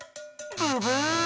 ブブー！